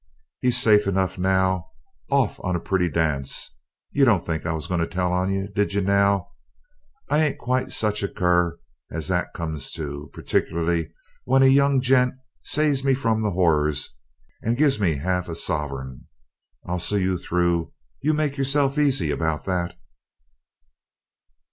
he's safe enough now orf on a pretty dance. You didn't think I was goin' to tell on ye, did ye now? I ain't quite sech a cur as that comes to, particular when a young gent saves me from the 'orrors, and gives me a 'arf suffering. I'll see you through, you make yourself easy about that."